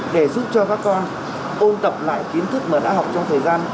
để giúp cho các con ôn tập lại kiến thức mà đã học trong thời gian